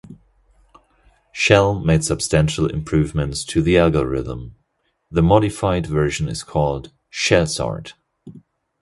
Shell made substantial improvements to the algorithm; the modified version is called Shell sort.